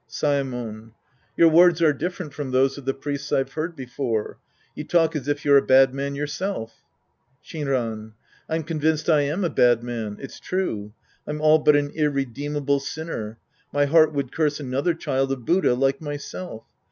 Saemon. Your words are dififerent from those of the priests I've heard before. You talk as if you're a bad man yourself Shinran. I'm convinced I am a bad man. It's true. I'm all but an irredeemable sinner. My heart would curse another child of Buddha like myself.